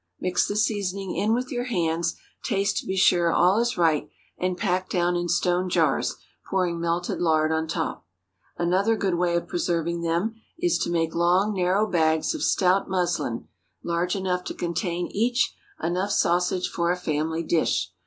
Mix the seasoning in with your hands, taste to be sure all is right, and pack down in stone jars, pouring melted lard on top. Another good way of preserving them is, to make long, narrow bags of stout muslin, large enough to contain, each, enough sausage for a family dish.